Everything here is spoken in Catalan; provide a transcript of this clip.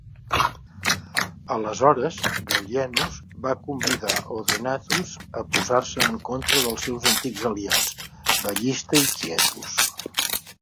Aleshores, Gallienus va convidar Odenathus a posar-se en contra dels seus antics aliats, Ballista i Quietus.